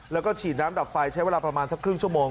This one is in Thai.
แล้วก็ฉีดน้ำดับไฟใช้เวลาประมาณสักครึ่งชั่วโมง